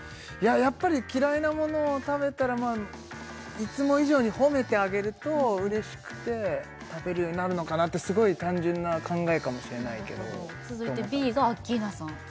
やっぱり嫌いなものを食べたらいつも以上に褒めてあげるとうれしくて食べるようになるのかなってすごい単純な考えかもしれないけど続いてＢがアッキーナさん